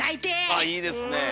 あいいですね。